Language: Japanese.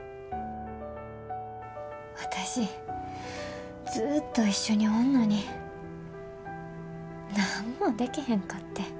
私ずっと一緒におんのに何もでけへんかってん。